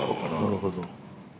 なるほど。